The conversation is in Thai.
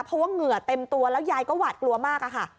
เพราะว่าเหงื่อเต็มตัวแล้วยายก็หวาดกลัวมากอะค่ะ